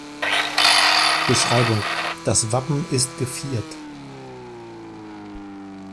Beschreibung: Das Wappen ist geviert.